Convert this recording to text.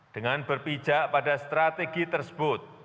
dengan berpijak pada strategi tersebut